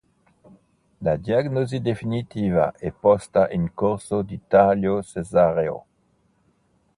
La diagnosi definitiva è posta in corso di taglio cesareo.